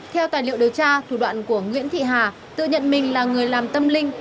theo tài liệu điều tra thủ đoạn của nguyễn thị hà tự nhận mình là người làm tâm linh